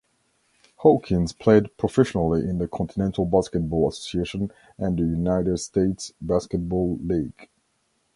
Hawkins played professionally in the Continental Basketball Association and the United States Basketball League.